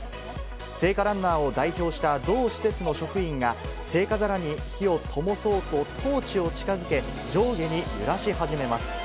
聖火ランナーを代表した同施設の職員が、聖火皿に火をともそうと、トーチを近づけ、上下に揺らし始めます。